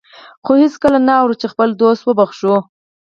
خو هېڅکله نه اورو چې خپل دوست وبخښو.